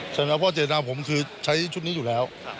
ใช่ไหมครับเพราะว่าเจนาผมคือใช้ชุดนี้อยู่แล้ว